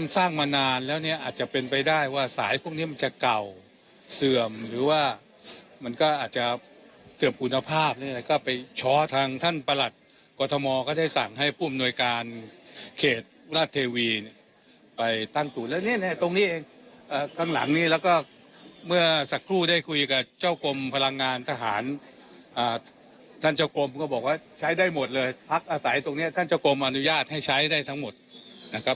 ท่านเจ้าโกมก็บอกว่าใช้ได้หมดเลยพักอาศัยตรงนี้ท่านเจ้าโกมอนุญาตให้ใช้ได้ทั้งหมดนะครับ